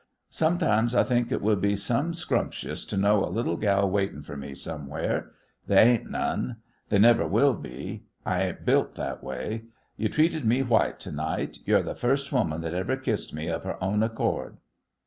Sometimes I thinks it would be some scrumptious to know a little gal waitin' fer me somewhere. They ain't none. They never will be. I ain't built that way. You treated me white to night. You're th' first woman that ever kissed me of her own accord."